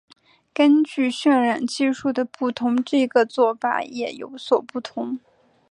根据渲染技术的不同这个做法也有所不同。